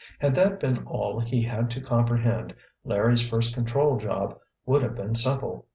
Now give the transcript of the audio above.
Had that been all he had to comprehend Larry's first control job would have been simple.